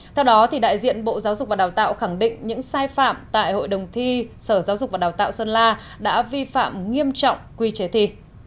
theo đó đại diện bộ giáo dục và đào tạo khẳng định những sai phạm tại hội đồng thi sở giáo dục và đào tạo sơn la đã vi phạm nghiêm trọng quy chế thi